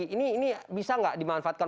ini bisa enggak dimanfaatkan